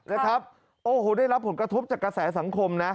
ได้รับผลกระทบจากกระแสสังคม